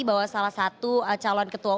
bahwa salah satu calon ketua